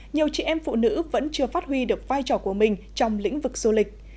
nhiều chị em phụ nữ vẫn chưa phát huy được vai trò của mình trong lĩnh vực du lịch